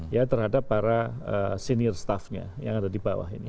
ya terhadap para senior staffnya yang ada di bawah ini